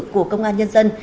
của công an nhân dân